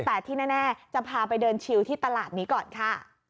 แต่ที่แน่จะพาไปเดินชิวที่ตลาดนี้ก่อนค่ะ